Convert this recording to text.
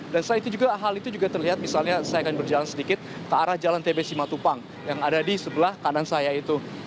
dan hal itu juga terlihat misalnya saya akan berjalan sedikit ke arah jalan tbs simatupang yang ada di sebelah kanan saya itu